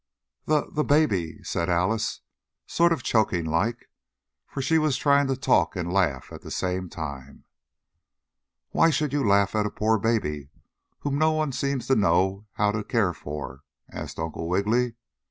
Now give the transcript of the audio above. "The the baby!" said Alice, sort of choking like, for she was trying to talk and laugh at the same time. "Why should you laugh at a poor baby, whom no one seems to know how to care for?" asked Uncle Wiggily.